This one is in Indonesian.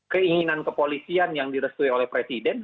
keinginan kepolisian yang direstui oleh presiden